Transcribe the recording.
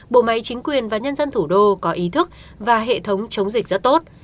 bộ máy chính quyền và nhân dân thủ đô có ý thức và hệ thống chống dịch rất tốt